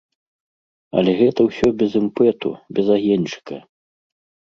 Але гэта ўсё без імпэту, без агеньчыка.